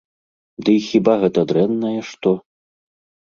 Ды і хіба гэта дрэннае што?